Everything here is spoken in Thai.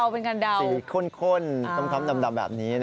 เป็นการเดาคุ้นสีคุ้นคุ้นคำดำแบบนี้